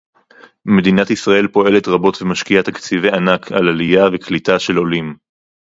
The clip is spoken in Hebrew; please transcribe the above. מדינת ישראל פועלת רבות ומשקיעה תקציבי ענק על עלייה וקליטה של עולים